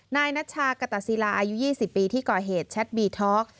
นายนัชชากตศิลาอายุ๒๐ปีที่ก่อเหตุแชทบีท็อก